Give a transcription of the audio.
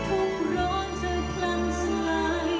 ทุกโรนจะคลั่งสลาย